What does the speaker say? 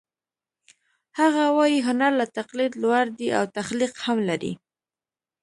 هغه وايي هنر له تقلید لوړ دی او تخلیق هم لري